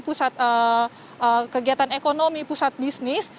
pusat kegiatan ekonomi pusat bisnis